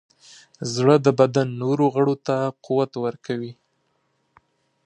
زړه د بدن نورو غړو ته قوت ورکوي.